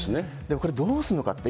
これ、どうするのかって。